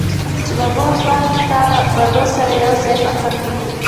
زما مور به تا له مڼو سره یوځای پاخه کړي